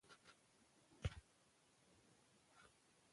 هغه عادت پرېږدئ، چي شخصت ته مو تاوان رسوي.